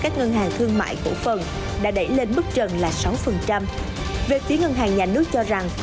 chỉ ngân hàng nhà nước cho rằng